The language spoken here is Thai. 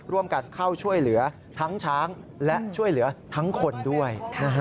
ร่วมกันเข้าช่วยเหลือทั้งช้างและช่วยเหลือทั้งคนด้วย